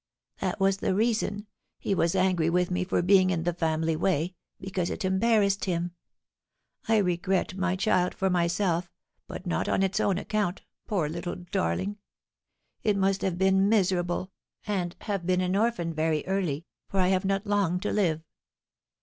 "That was the reason; he was angry with me for being in the family way, because it embarrassed him. I regret my child for myself, but not on its own account, poor little darling! It must have been miserable, and have been an orphan very early, for I have not long to live."